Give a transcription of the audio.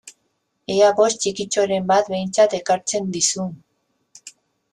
Ea poz txikitxoren bat behintzat ekartzen dizun!